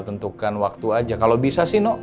tentukan waktu aja kalau bisa sih nok